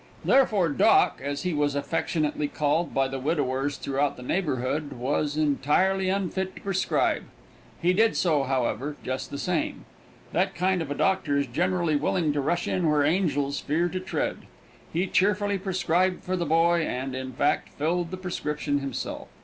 Therefore "Doc," as he was affectionately called by the widowers throughout the neighborhood, was entirely unfit to prescribe. He did so, however, just the same. That kind of a doctor is generally willing to rush in where angels fear to tread. He cheerfully prescribed for the boy, and, in fact, filled the prescription himself.